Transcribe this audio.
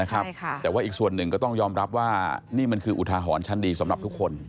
แต่ว่าอีกส่วนหนึ่งก็ต้องยอมรับว่านี่มันคืออุทาหรณ์ชั้นดีสำหรับทุกคน